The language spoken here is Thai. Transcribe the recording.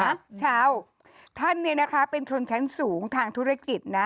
ชาวท่านเนี่ยนะคะเป็นชนชั้นสูงทางธุรกิจนะ